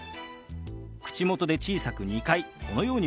口元で小さく２回このように動かします。